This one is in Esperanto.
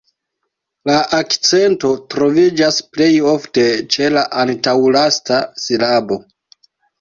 La akcento troviĝas plej ofte ĉe la antaŭlasta silabo.